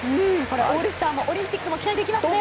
オールスターもオリンピックも期待できますね。